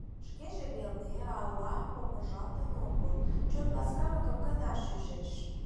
Шкеже веле але помыжалтын огыл, чон ласкалыкым гына шижеш.